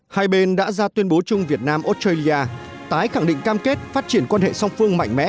hai bên đã ra tuyên bố chung việt nam australia tái khẳng định cam kết phát triển quan hệ song phương mạnh mẽ